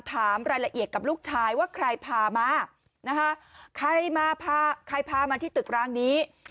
ถามรายละเอียดกับลูกชายว่าใครพามาใครพามาที่ตึกร้างนี้